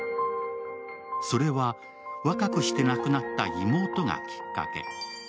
それは若くして亡くなった妹がきっかけ。